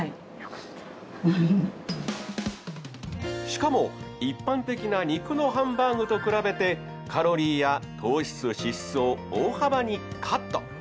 しかも一般的な肉のハンバーグと比べてカロリーや糖質脂質を大幅にカット。